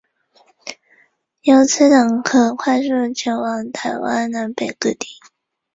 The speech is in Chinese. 由此等可快速前往台湾南北各地。